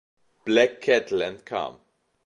Black Kettle entkam.